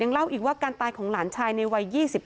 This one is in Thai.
เล่าอีกว่าการตายของหลานชายในวัย๒๕